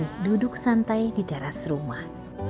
sang pemilik duduk santai di jaras rumah